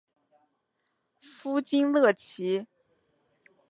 夫金乐琦。